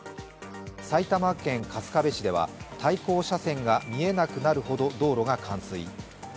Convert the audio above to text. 埼玉県春日部市では対向車線が見えなくなるほど道路が冠水。